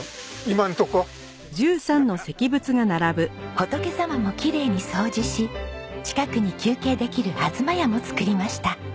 仏様もきれいに掃除し近くに休憩できるあずまやも造りました。